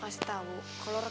inilah juga kamu ya